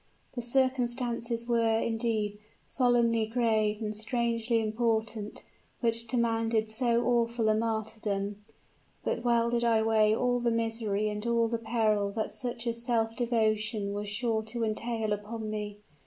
The circumstances were, indeed, solemnly grave and strangely important, which demanded so awful a martyrdom. But well did I weigh all the misery and all the peril that such a self devotion was sure to entail upon me.